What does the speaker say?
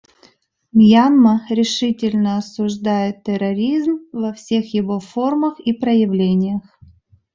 Мьянма решительно осуждает терроризм во всех его формах и проявлениях.